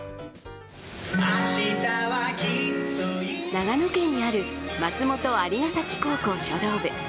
長野県にある松本蟻ヶ崎高校書道部。